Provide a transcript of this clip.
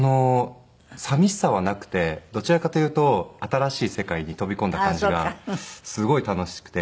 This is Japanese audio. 寂しさはなくてどちらかというと新しい世界に飛び込んだ感じがすごい楽しくて。